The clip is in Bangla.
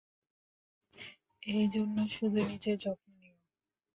এই জন্য-- -শুধু নিজের যত্ন নিও।